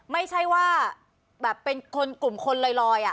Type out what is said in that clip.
ไม่ใช่ว่าแบบเป็นคนกลุ่มคนลอย